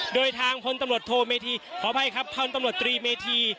โดยทางพลตำรวจโทเมธีขออภัยครับพลตำรวจตรีเมธี